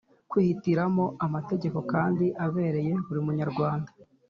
Kwihitiramo amategeko kandi abereye buri munyarwanda